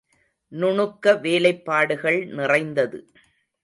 நுணுக்க வேலைப்பாடுகள் நிறைந்தது.